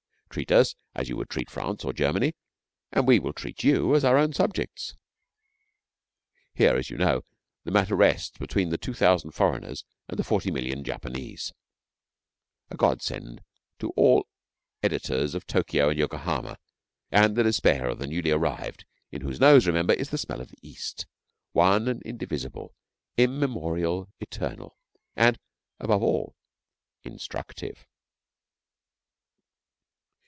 Treat us as you would treat France or Germany, and we will treat you as our own subjects.' Here, as you know, the matter rests between the two thousand foreigners and the forty million Japanese a God send to all editors of Tokio and Yokohama, and the despair of the newly arrived in whose nose, remember, is the smell of the East, One and Indivisible, Immemorial, Eternal, and, above all, Instructive.